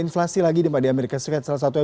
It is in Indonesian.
inflasi lagi di amerika serikat salah satunya